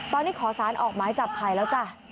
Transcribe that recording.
ตอนนี้ขอสารออกหมายจับภัยแล้วจ้ะ